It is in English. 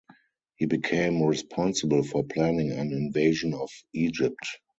He became responsible for planning an invasion of Egypt.